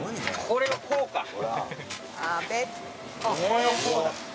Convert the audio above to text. これをこうだ。